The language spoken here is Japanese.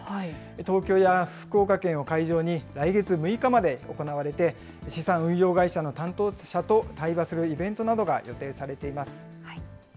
東京や福岡県を会場に、来月６日まで行われて、資産運用会社の担当者と対話するイベントなどが予定されています。